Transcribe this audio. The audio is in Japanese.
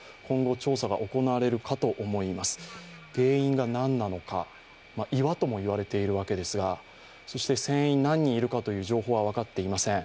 原因がなんなのか岩ともいわれているわけですがそして船員が何人いるかという情報は分かっていません。